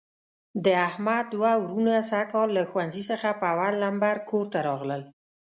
د احمد دوه وروڼه سږ کال له ښوونځي څخه په اول لمبر کورته راغلل.